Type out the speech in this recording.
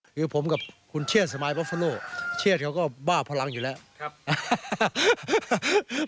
คือผมกับคุณเชษสมายบอฟฟาโนเชียดเขาก็บ้าพลังอยู่แล้วครับ